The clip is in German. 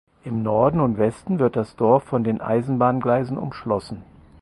Im Norden und Westen wird das Dorf von den Eisenbahngleisen umschlossen.